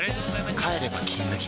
帰れば「金麦」